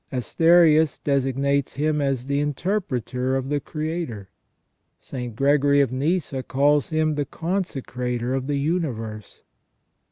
Asterius designates him as " the interpreter of the Creator ". St. Gregory of Nyssa calls him " the consecrator of the universe